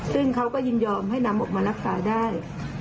ซึ่งเขาก็ยินยอมให้นำออกมารักษาได้